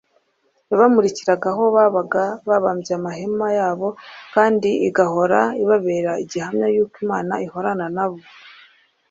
yabamurikiraga aho babaga babambye amahema yabo kandi igahora ibabera igihamya yuko imana ihorana na bo